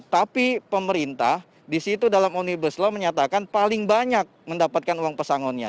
tapi pemerintah di situ dalam omnibus law menyatakan paling banyak mendapatkan uang pesangonnya